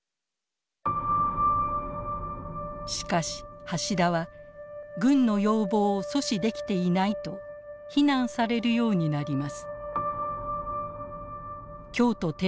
しかし橋田は軍の要望を阻止できていないと非難されるようになります。